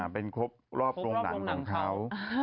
เป็นครบรอบโรงหนังของเขา